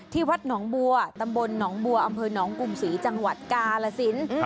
วัดหนองบัวตำบลหนองบัวอำเภอหนองกรุงศรีจังหวัดกาลสิน